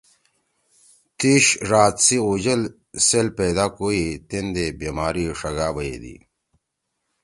تیِش ڙاد سی اُوجل سیل پیدا کوئی تین دے بیماری ݜگا بیدی۔